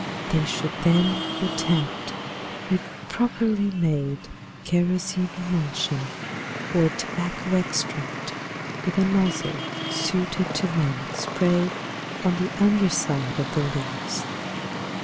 They should then be attacked with properly made kerosene emulsion or tobacco extract with a nozzle suited to land the spray on the under side of the leaves.